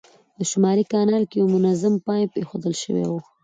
په شمالي کانال کې یو منظم پایپ اېښودل شوی و.